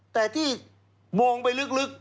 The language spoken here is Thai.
แต่ที่มองไปลึก